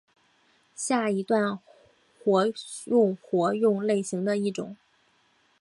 下一段活用活用类型的一种。